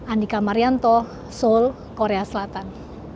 andika marianto seoul korea selatan